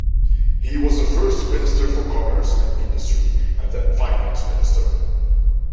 He was the first Minister for Commerce and Industry and then Finance Minister.